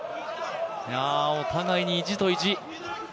お互いに意地と意地。